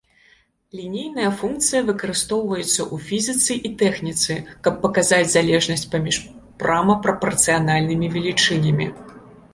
Лінейная функцыя выкарыстоўваецца ў фізіцы і тэхніцы, каб паказаць залежнасць паміж прама прапарцыянальнымі велічынямі.